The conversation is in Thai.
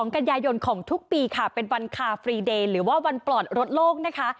กันยายนของทุกปีค่ะเป็นวันคาฟรีเดย์หรือว่าวันปลอดรถโลกนะคะ